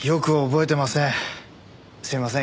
すいません